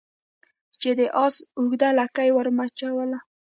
چا د آس اوږده لکۍ ور مچوله